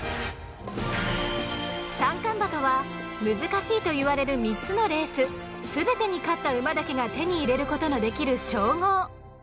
「三冠馬」とは難しいと言われる３つのレース全てに勝った馬だけが手にいれることのできる称号。